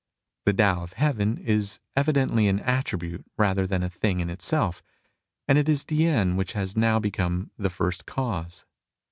The Tao of Heaven is evidently an attribute rather than a thing in itself, and it is T'ien which has now become the First Cause.